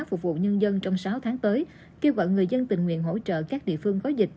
phục vụ nhân dân trong sáu tháng tới kêu gọi người dân tình nguyện hỗ trợ các địa phương có dịch